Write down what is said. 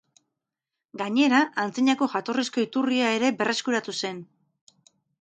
Gainera, antzinako jatorrizko iturria ere berreskuratu zen.